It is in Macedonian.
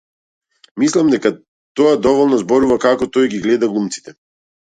Мислам дека тоа доволно зборува како тој ги гледал глумците.